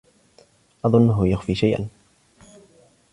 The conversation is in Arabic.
أظنّهُ يخفي شيئًا.